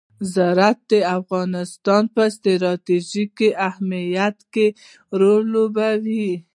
زراعت د افغانستان په ستراتیژیک اهمیت کې رول لري.